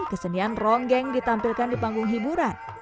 kesenian ronggeng ditampilkan di panggung hiburan